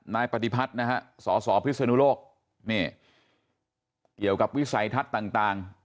นายปฏิพัฒน์นะฮะสสพิศนุโลกนี่เกี่ยวกับวิสัยทัศน์ต่าง